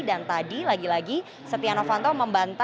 dan tadi lagi lagi setia novanto membantah